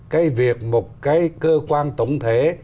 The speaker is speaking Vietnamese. cái việc một cái cơ quan tổng thể